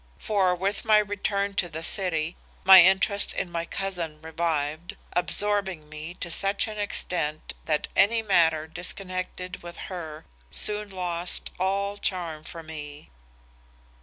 For with my return to the city my interest in my cousin revived, absorbing me to such an extent that any matter disconnected with her soon lost all charm for me.